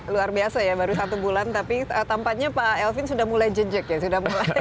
luar biasa ya baru satu bulan tapi tampaknya pak elvin sudah mulai jejek ya